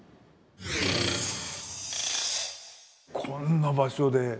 こんな場所で。